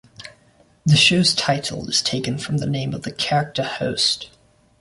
The show's title is taken from the name of the character host.